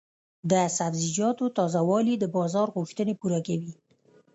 د سبزیجاتو تازه والي د بازار غوښتنې پوره کوي.